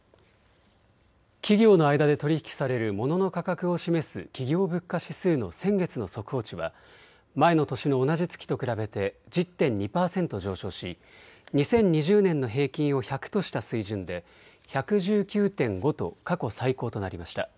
企業の間で取り引きされるモノの価格を示す企業物価指数の先月の速報値は前の年の同じ月と比べて１０．２％上昇し２０２０年の平均を１００とした水準で１１９．５と過去最高となりました。